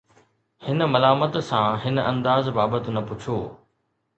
هن ملامت سان هن انداز بابت نه پڇو